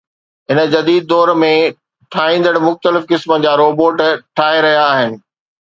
هن جديد دور ۾، ٺاهيندڙ مختلف قسم جا روبوٽ ٺاهي رهيا آهن